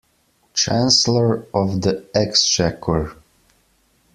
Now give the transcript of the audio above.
Chancellor of the Exchequer